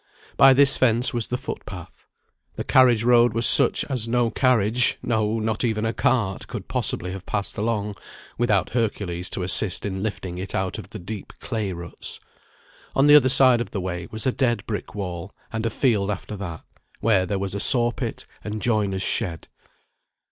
By this fence was the foot path. The carriage road was such as no carriage, no, not even a cart, could possibly have passed along, without Hercules to assist in lifting it out of the deep clay ruts. On the other side of the way was a dead brick wall; and a field after that, where there was a sawpit, and joiner's shed.